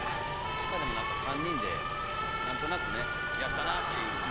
まあでもなんか３人で何となくねやったなっていう感じが。